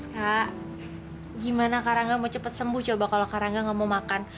kak gimana karangnya mau cepet sembuh coba kalau karangnya gak mau makan